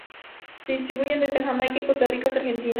Se distribuyen desde Jamaica y Costa Rica hasta Argentina.